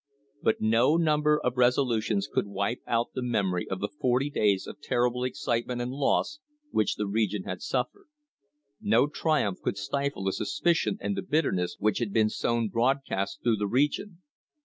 But no number of resolutions could wipe out the memory of the forty days of terrible excitement and loss which the region had suffered. No triumph could stifle the suspicion and the bitterness which had been sown broadcast through the region.